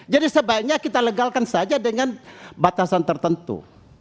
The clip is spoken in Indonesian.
sebaiknya kita legalkan saja dengan batasan tertentu